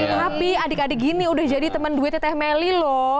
tapi adik adik gini udah jadi temen duitnya teh melly loh